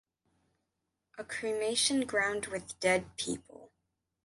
a cremation ground with dead people!